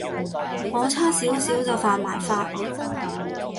我差少少就犯埋法